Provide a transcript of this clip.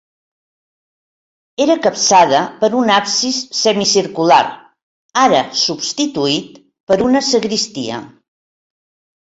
Era capçada per un absis semicircular, ara substituït per una sagristia.